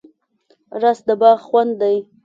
رس د باغ خوند دی